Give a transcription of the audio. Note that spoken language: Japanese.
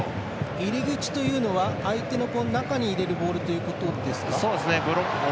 入り口というのは相手の中に入れるボールということですか。